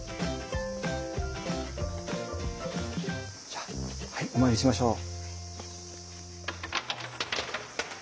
じゃあお参りしましょう。